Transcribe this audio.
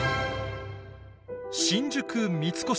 新宿三越